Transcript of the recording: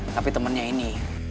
tapi temennya ini